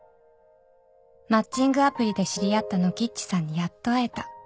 「マッチングアプリで知り合ったノキッチさんにやっと会えた」